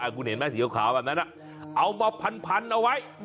เออคุณเห็นไหมสีเขาขาวฝันนั้นเอามาพันเอาไว้